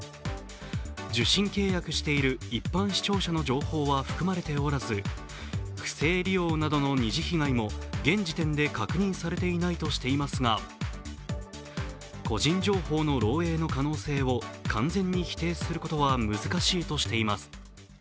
受信契約している一般視聴者の情報は含まれておらず不正利用などの二次被害も現時点で確認されていないとしていますが個人情報の漏えいの可能性を完全に否定することは難しいともしています。